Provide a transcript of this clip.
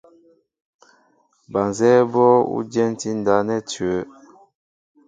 Ba nzɛ́ɛ́ bó ú dyɛntí ndáp nɛ́ ǹcʉ́wə́.